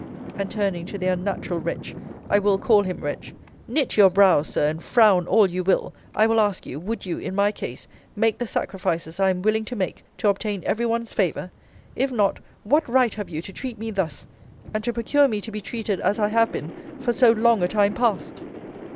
And [turning to the unnatural wretch I will call him wretch] knit your brows, Sir, and frown all you will, I will ask you, would you, in my case, make the sacrifices I am willing to make, to obtain every one's favour? If not, what right have you to treat me thus; and to procure me to be treated as I have been for so long a time past?